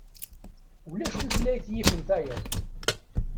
Ulac tutlayt yifen tayeḍ.